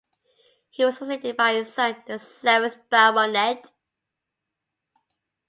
He was succeeded by his son, the seventh Baronet.